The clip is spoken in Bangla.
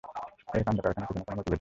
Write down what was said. এর কাণ্ডকারখানার পেছনে কোনো মোটিভ নেই।